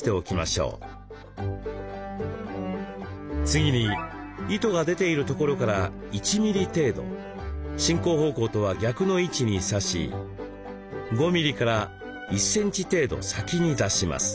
次に糸が出ているところから１ミリ程度進行方向とは逆の位置に刺し５ミリから１センチ程度先に出します。